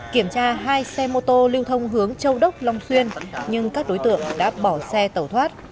kiểm tra hai xe mô tô lưu thông hướng châu đốc long xuyên nhưng các đối tượng đã bỏ xe tẩu thoát